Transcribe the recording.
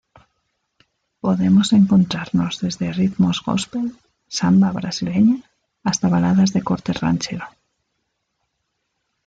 Podemos encontrarnos desde ritmos gospel, samba brasileña hasta baladas de corte ranchero.